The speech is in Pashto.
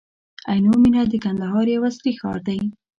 عینو مېنه د کندهار یو عصري ښار دی.